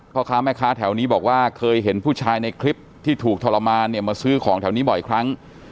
พ่อค้าแม่ค้าแถวนี้บอกว่าเคยเห็นผู้ชายในคลิปที่ถูกทรมานเนี่ยมาซื้อของแถวนี้บ่อยครั้ง